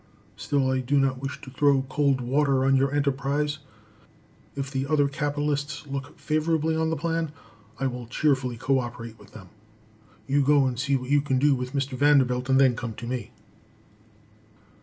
Still, I do not wish to throw cold water on your enterprise. If the other capitalists look favorably on the plan, I will cheerfully co operate with them. You go and see what you can do with Mr. Vanderbilt, and then come to me.